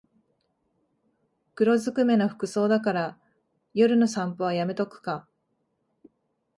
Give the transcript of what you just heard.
黒ずくめの服装だから夜の散歩はやめとくか